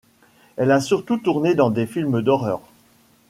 Elle a surtout tourné dans des films d'horreur.